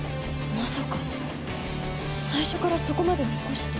まさか最初からそこまで見越して？